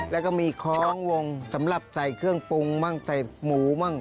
แล้วก็มีคล้องวงสำหรับใส่เครื่องปรุงมั่งใส่หมูมั่ง